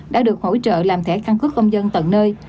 đã được hỗ trợ làm thẻ căn cước công dân tận nơi